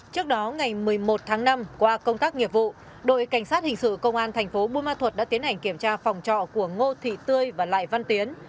trước đó ngày một mươi một tháng năm qua công tác nghiệp vụ đội cảnh sát hình sự công an thành phố bùa ma thuật đã tiến hành kiểm tra phòng trọ của ngô thị tươi và lại văn tiến